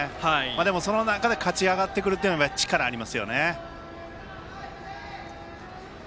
でも、その中で勝ち上がってくるというのは力がありますよね。